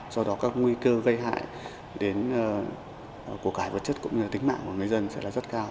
do đó các nguy cơ gây hại đến cuộc hải vật chất cũng như tính mạng của người dân sẽ rất cao